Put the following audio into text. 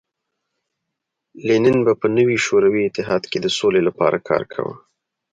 لینین به په نوي شوروي اتحاد کې د سولې لپاره کار کاوه